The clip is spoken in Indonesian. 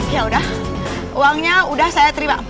ya udah uangnya udah saya terima